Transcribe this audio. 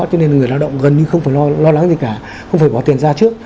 cho nên người lao động gần như không phải lo lắng gì cả không phải bỏ tiền ra trước